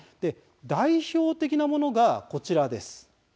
代表的なものがこちらです。